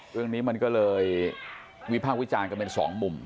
เรื่องนี้มันก็เลยวิพากษ์วิจารณ์กันเป็นสองมุม